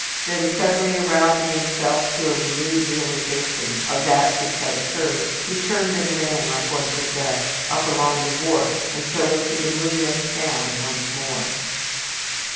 Then suddenly arousing himself to a renewed realization of that which had occurred, he turned and ran like one possessed, up along the wharf, and so into the moonlit town once more.